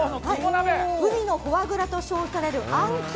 海のフォアグラと称されるあん肝。